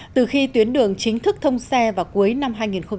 từ khi tuyến đường chính thức thông xe vào cuối năm hai nghìn một mươi năm